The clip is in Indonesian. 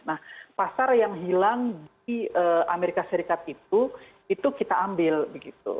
nah pasar yang hilang di amerika serikat itu itu kita ambil begitu